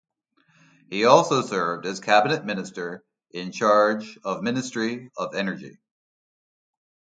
He also served as Cabinet Minister in Charge of Ministry of Energy.